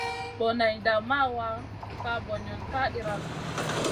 Boneyda ma wa, sa banion ka iyranou.